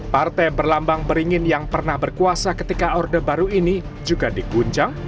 partai berlambang beringin yang pernah berkuasa ketika orde baru ini juga diguncang